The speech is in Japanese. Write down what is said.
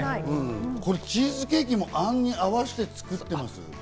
チーズケーキもあんに合わせて作ってます？